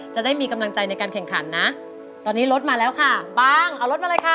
จะได้มีกำลังใจในการแข่งขันนะตอนนี้รถมาแล้วค่ะบ้างเอารถมาเลยค่ะ